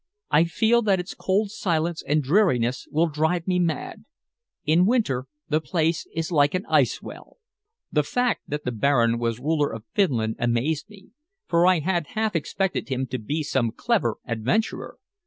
I feel that its cold silence and dreariness will drive me mad. In winter the place is like an ice well." The fact that the Baron was ruler of Finland amazed me, for I had half expected him to be some clever adventurer.